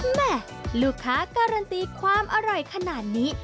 แม่ลูกค้าการันตีความอร่อยขนาดนี้